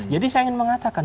jadi saya ingin mengatakan